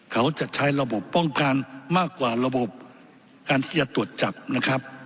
เขาจะใช้ระบบป้องกันมากกว่าระบบการที่จะตรวจจับนะครับ